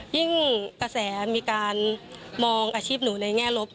กระแสมีการมองอาชีพหนูในแง่ลบ